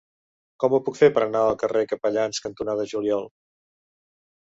Com ho puc fer per anar al carrer Capellans cantonada Juliol?